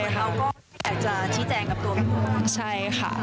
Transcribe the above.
เขาก็อยากจะชี้แจงกับคุณใช่ค่ะ